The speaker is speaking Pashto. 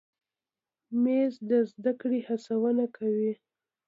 مېز د زده کړې هڅونه کوي.